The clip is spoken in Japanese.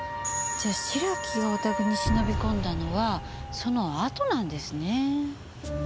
じゃあ白木がお宅に忍び込んだのはそのあとなんですね。